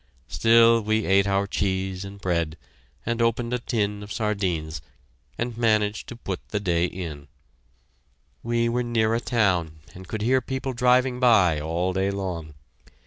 Still, we ate our cheese and bread, and opened a tin of sardines, and managed to put the day in. We were near a town, and could hear people driving by all day long.